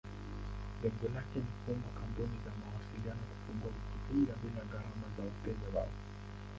Lengo lake ni kuomba kampuni za mawasiliano kufungua Wikipedia bila gharama kwa wateja wao.